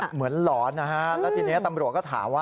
หลอนนะฮะแล้วทีนี้ตำรวจก็ถามว่า